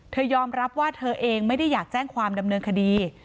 ยอมรับว่าเธอเองไม่ได้อยากแจ้งความดำเนินคดี